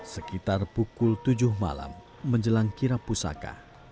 sekitar pukul tujuh malam menjelang kirap pusaka